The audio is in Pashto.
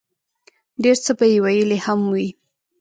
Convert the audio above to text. ډېر څۀ به ئې ويلي هم وي